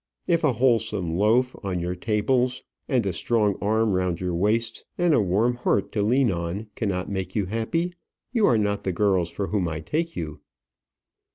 If a wholesome loaf on your tables, and a strong arm round your waists, and a warm heart to lean on cannot make you happy, you are not the girls for whom I take you.